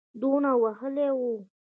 دونه وهلی وو.